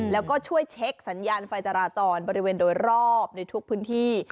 แล้วก็ช่วยเช็คสัญญาณไฟจราจรบริเวณโดยรอบในทุกพื้นที่